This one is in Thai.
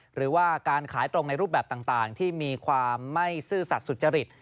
หรือว่าการขายตรงในรูปแบบต่างที่มีความไม่ซื่อสัตว์สุจริต